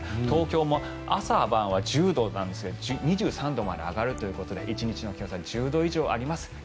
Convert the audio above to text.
東京も朝晩は１０度なんですが２３度まで上がるということで１日の気温差が１０度以上あります。